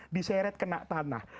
diseret kena tanah